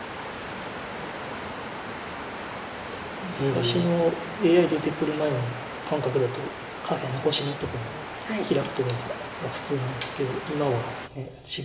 昔のＡＩ出てくる前の感覚だと下辺の星のとこにヒラくとかが普通なんですけど今は違う打ち方。